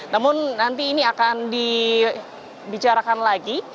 namun nanti ini akan dibicarakan lagi